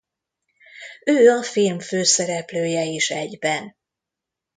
Ő a film főszereplője is egyben.